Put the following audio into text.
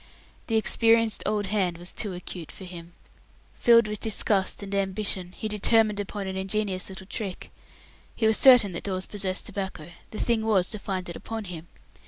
The experienced "old hand" was too acute for him. Filled with disgust and ambition, he determined upon an ingenious little trick. He was certain that Dawes possessed tobacco; the thing was to find it upon him.